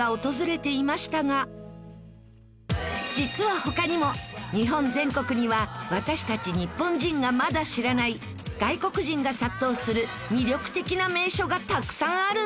実は他にも日本全国には私たち日本人がまだ知らない外国人が殺到する魅力的な名所がたくさんあるんです！